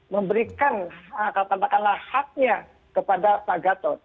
memberikan katakanlah haknya kepada pak gatot